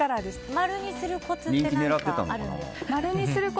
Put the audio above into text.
丸にするコツって何かあるんですか。